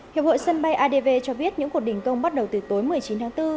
hiệp hội sân bay adv cho biết những cuộc đình công bắt đầu từ tối một mươi chín tháng bốn